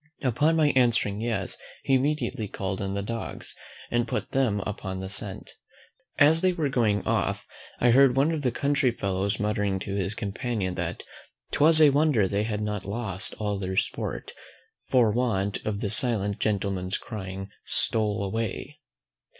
Upon my answering yes, he immediately called in the dogs, and put them upon the scent. As they were going off, I heard one of the country fellows muttering to his companion, that 'twas a wonder they had not lost all their sport, for want of the silent gentleman's crying STOLE AWAY.